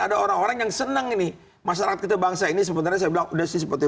ada orang orang yang senang ini masyarakat kita bangsa ini sebenarnya saya bilang udah sih seperti